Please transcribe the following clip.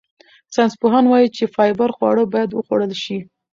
ساینسپوهان وايي چې فایبر خواړه باید وخوړل شي.